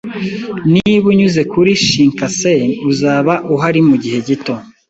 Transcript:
Niba unyuze kuri Shinkansen, uzaba uhari mugihe gito